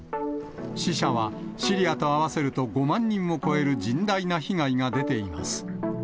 死者は、シリアと合わせると５万人を超える甚大な被害が出ています。